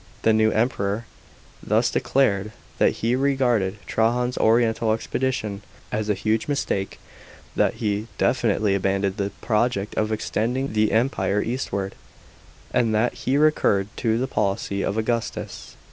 The new Emperor thus declared that he regarded Trajan's oriental expedition as a huge mistake, that he definitely abandoned the project of extending the empire eastward, and that he recurred to the policy of Augustus.